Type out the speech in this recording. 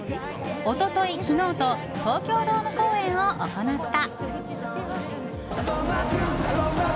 一昨日、昨日と東京ドーム公演を行った。